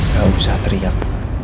gak usah teriak